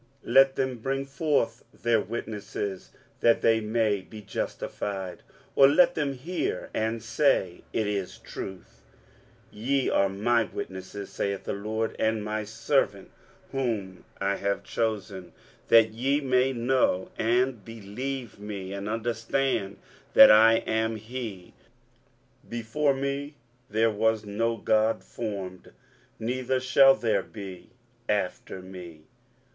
let them bring forth their witnesses, that they may be justified: or let them hear, and say, It is truth. 23:043:010 Ye are my witnesses, saith the LORD, and my servant whom I have chosen: that ye may know and believe me, and understand that I am he: before me there was no God formed, neither shall there be after me.